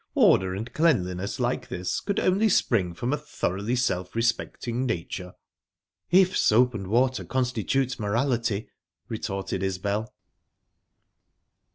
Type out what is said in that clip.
Order and cleanliness like this could only spring from a thoroughly self respecting nature." "If soap and water constitute morality," retorted Isbel.